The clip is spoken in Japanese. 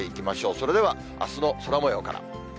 それでは、あすの空もようから。